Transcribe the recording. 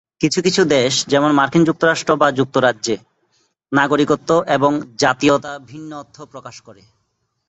কিছু কিছু দেশ, যেমন, মার্কিন যুক্তরাষ্ট্র বা যুক্তরাজ্যে নাগরিকত্ব এবং জাতীয়তা ভিন্ন অর্থ প্রকাশ করে।